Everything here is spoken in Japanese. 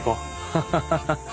ハハハハ。